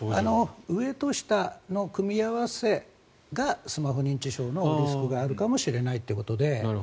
上と下の組み合わせがスマホ認知症のリスクがあるかもしれないということで。